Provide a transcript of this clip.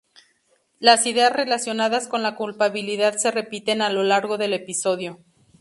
Las ideas relacionadas con la culpabilidad se repiten a lo largo del episodio.